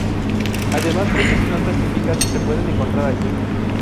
Además, muchas plantas típicas se pueden encontrar allí.